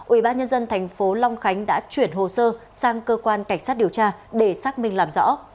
ủy ban nhân dân tp long khánh đã chuyển hồ sơ sang cơ quan cảnh sát điều tra để xác minh làm rõ